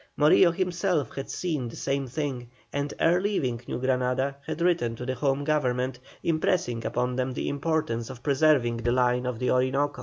Morillo himself had seen the same thing, and ere leaving New Granada had written to the Home Government, impressing upon them the importance of preserving the line of the Orinoco.